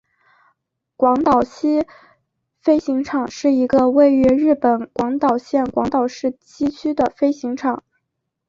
广岛西飞行场是一个位于日本广岛县广岛市西区的飞行场。